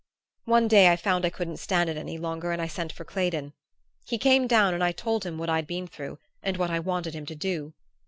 "One day I found I couldn't stand it any longer and I sent for Claydon. He came down and I told him what I'd been through and what I wanted him to do.